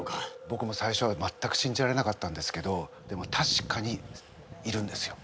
ぼくも最初は全く信じられなかったんですけどでもたしかにいるんですよ。